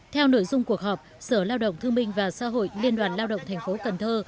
theo nội dung cuộc họp sở lao động thương minh và xã hội liên đoàn lao động thành phố cần thơ